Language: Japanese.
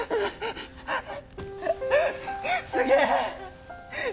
すげえ！